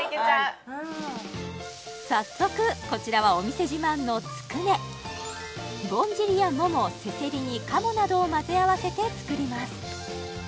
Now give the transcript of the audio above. はい早速こちらはお店自慢のつくねぼんじりやももせせりに鴨などをまぜ合わせて作ります